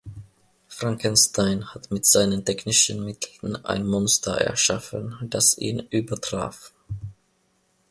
Frankenstein hat mit seinen technischen Mitteln ein Monster erschaffen, das ihn übertraf.